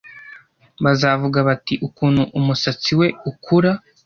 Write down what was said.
Bazavuga bati Ukuntu umusatsi we ukura